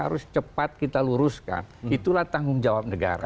harus cepat kita luruskan itulah tanggung jawab negara